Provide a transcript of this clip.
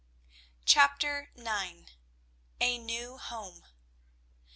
CHAPTER IX. A NEW HOME.